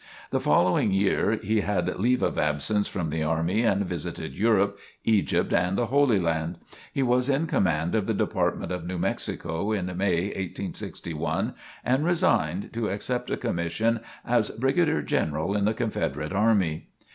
The following year, he had leave of absence from the army and visited Europe, Egypt and the Holy Land. He was in command of the Department of New Mexico in May 1861 and resigned to accept a commission as Brigadier General in the Confederate Army.